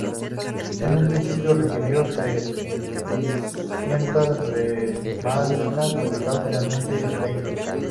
En un principio recibió seiscientas remezclas, publicando finalmente veinte.